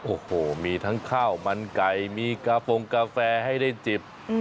โอ้โหมีทั้งข้าวมันไก่มีกาโฟงกาแฟให้ได้จิบ